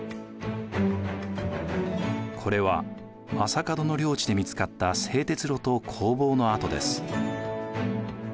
これは将門の領地で見つかった製鉄炉と工房の跡です。